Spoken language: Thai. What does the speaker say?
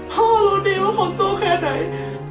พ่อรู้ดีว่าเขาสู้แค่ไหน